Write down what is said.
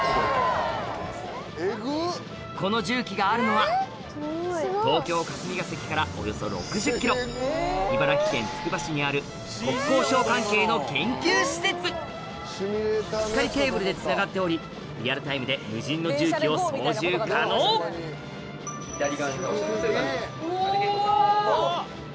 この重機があるのは東京・霞が関からおよそ６０ｋｍ茨城県つくば市にある国交省関係の研究施設光ケーブルでつながっておりリアルタイムで無人の重機を操縦可能うぉ！